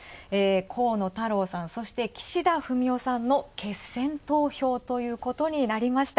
河野太郎さん、そして岸田文雄さんの決選投票ということになりました。